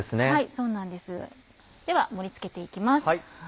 そうなんですでは盛り付けて行きます。